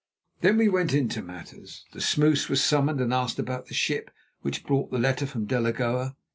Then we went into matters. The smous was summoned and asked about the ship which brought the letter from Delagoa.